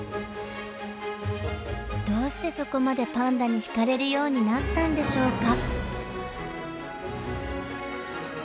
どうしてそこまでパンダに引かれるようになったんでしょうか？